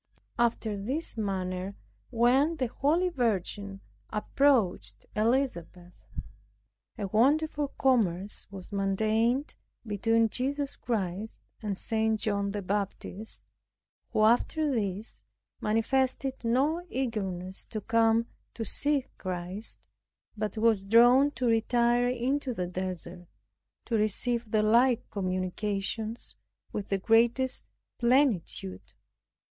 After this manner, when the Holy Virgin approached Elizabeth, a wonderful commerce was maintained between Jesus Christ and St. John the Baptist, who after this manifested no eagerness to come to see Christ, but was drawn to retire into the desert, to receive the like communications with the greatest plenitude.